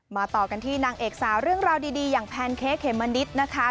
ต่อกันที่นางเอกสาวเรื่องราวดีอย่างแพนเค้กเขมมะนิดนะคะ